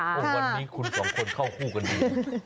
วันนี้คุณสองคนเข้าคู่กันดี